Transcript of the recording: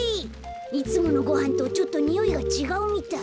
いつものごはんとちょっとにおいがちがうみたい。